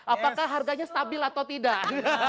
apakah harganya stabil atau tidak